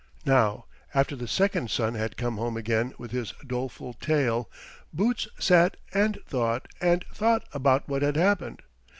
Now after the second son had come home again with his doleful tale, Boots sat and thought and thought about what had happened.